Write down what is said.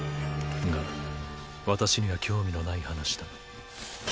が私には興味のない話だ。